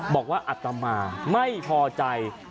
บอกว่าอัตมาไม่พอใจ